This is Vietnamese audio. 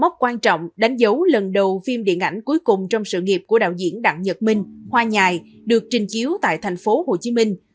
một mốc quan trọng đánh dấu lần đầu phim điện ảnh cuối cùng trong sự nghiệp của đạo diễn đặng nhật minh hoa nhài được trình chiếu tại thành phố hồ chí minh